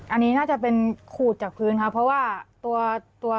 อันนี้น่าจะเป็นขูดจากพื้นค่ะเพราะว่าตัวตัว